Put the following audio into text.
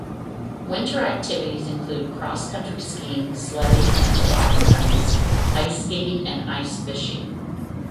Winter activities include cross-country skiing, sledding and toboggan runs, ice skating and ice fishing.